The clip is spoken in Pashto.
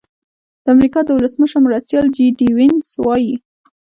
د امریکا د ولسمشر مرستیال جي ډي وینس وايي.